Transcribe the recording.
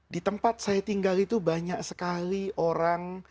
di tempat saya tinggal itu banyak sekali orang